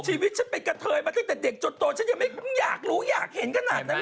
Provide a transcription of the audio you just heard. ชีวิตฉันไปกระเทยมาตั้งแต่เด็กจนโตฉันยังไม่อยากรู้อยากเห็นขนาดนั้น